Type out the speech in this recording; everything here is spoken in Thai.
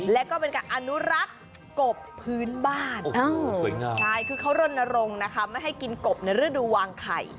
และก็เป็นการอนุรักษ์กบพื้นบ้านใช่คือเขาร่นรงไม่ให้กินกบในเรื่องดูวางไข่